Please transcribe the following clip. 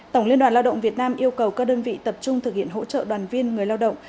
tổng liên đoàn lao động việt nam yêu cầu các đơn vị tập trung thực hiện hỗ trợ đoàn viên người lao động